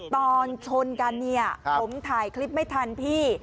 ตอนชนกันเนี่ยผมถ่ายคลิปไม่ทันพี่